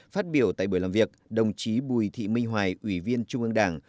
phát biểu tại buổi làm việc đồng chí bùi thị minh hoài ủy viên trung ương đảng